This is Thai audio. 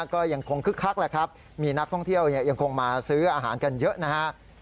ก็ยังคงคึกคักแหละครับมีนักท่องเที่ยวยังคงมาซื้ออาหารกันเยอะนะฮะ